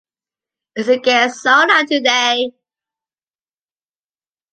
It’s a gay sauna today.